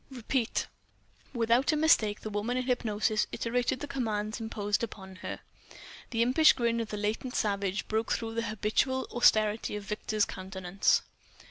Repeat ..." Without a mistake the woman in hypnosis iterated the commands imposed upon her. The impish grin of the latent savage broke through the habitual austerity of Victor's countenance.